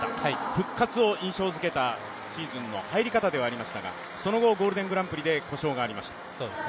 復活を印象づけたシーズンの入り方ではありましたがその後、ゴールデングランプリで故障がありました。